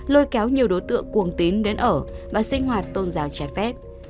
lôi kéo nhiều đối tượng cuồng tín đến ở và sinh hoạt tôn giáo trái phép